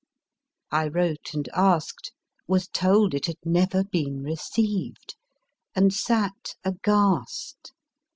I wrote and asked ; was told it had never been received, and sat aghast.